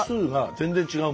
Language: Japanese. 全然違う。